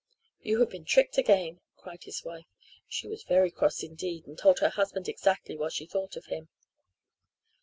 "You have been tricked again!" cried his wife. She was very cross indeed and told her husband exactly what she thought of him.